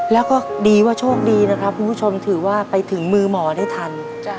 แล้วก็ดีว่าโชคดีนะครับคุณผู้ชมถือว่าไปถึงมือหมอได้ทัน